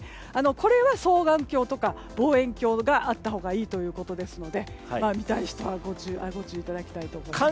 これは双眼鏡とか望遠鏡があったほうがいいということですので見たい人はご注意いただきたいと思います。